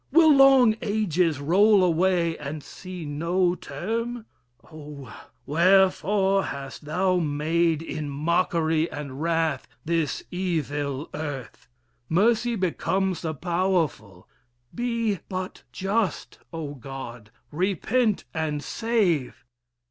will long ages roll away, And see no 'term? Oh! wherefore hast thou made In mockery and wrath this evil earth? Mercy becomes the powerful be but just: O God! repent and save.